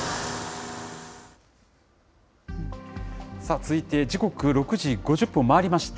続いて、時刻６時５０分を回りました。